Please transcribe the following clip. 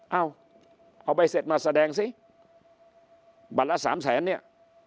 เอาเอาใบเสร็จมาแสดงสิบัตรละสามแสนเนี่ย